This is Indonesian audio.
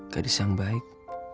gadis yang baik